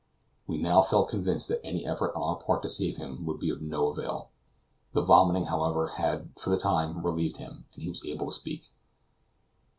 We now felt convinced that any effort on our part to save him would be of no avail. The vomiting, however, had for the time relieved him, and he was able to speak.